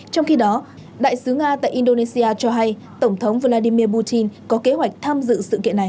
trong khi đó đại sứ nga tại indonesia cho hay tổng thống vladimir putin có kế hoạch tham dự sự kiện này